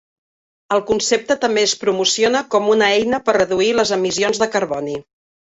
El concepte també es promociona com una eina per reduir les emissions de carboni.